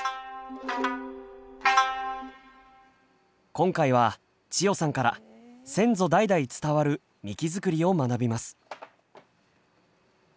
今回は千代さんから先祖代々伝わるみき作りを学びます。